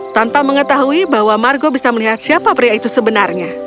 tanpa mengetahui bahwa margo bisa melihat siapa pria itu sebenarnya